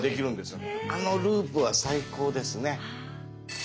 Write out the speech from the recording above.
あのループは最高ですね！